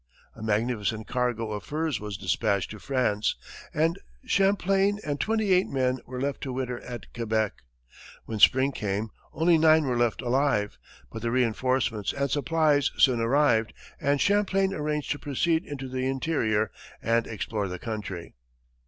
A magnificent cargo of furs was dispatched to France, and Champlain and twenty eight men were left to winter at Quebec. When spring came, only nine were left alive, but reinforcements and supplies soon arrived, and Champlain arranged to proceed into the interior and explore the country.